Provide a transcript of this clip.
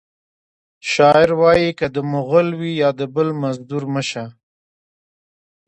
شاعر وایی که د مغل وي یا د بل مزدور مه شه